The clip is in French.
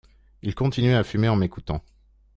Il continuait à fumer en m’écoutant.